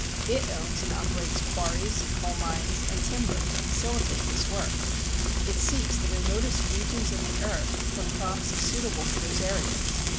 It owns and operates quarries, coal mines and timber to facilitate this work. It seeks the remotest regions of the earth for crops suitable for these areas.